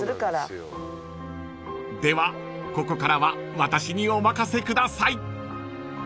［ではここからは私にお任せください］